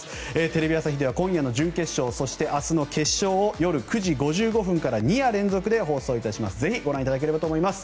テレビ朝日では今夜の準決勝そして明日の決勝を夜９時５５分から２夜連続で放送いたします。